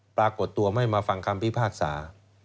ปรากฏตัวไม่มาฟังคำพิพากษา